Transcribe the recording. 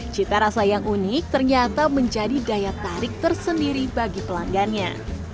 cita rasa yang unik ternyata menjadi daya tarik tersendiri bagi pelanggannya